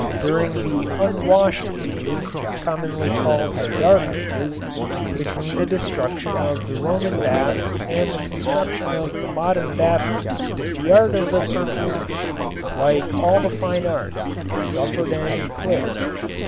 During the Unwashed Ages, commonly called the Dark Ages, between the destruction of the Roman baths and the construction of the modern bathroom, the art of the perfumer, like all the fine arts, suffered an eclipse.